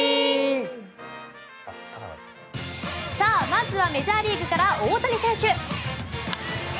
まずはメジャーリーグから大谷選手。